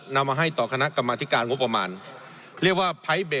นำมาให้ต่อคณะกรรมธิการงบประมาณเรียกว่า